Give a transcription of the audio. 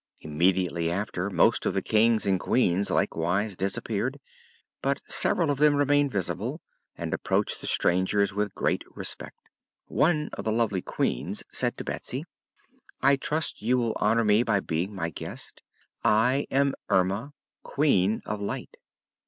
Immediately after, most of the Kings and Queens likewise disappeared. But several of them remained visible and approached the strangers with great respect. One of the lovely Queens said to Betsy: "I trust you will honor me by being my guest. I am Erma, Queen of Light."